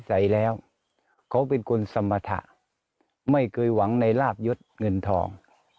ใส่แล้วเขาเป็นคนสมรรถะไม่เคยหวังในลาบยศเงินทอง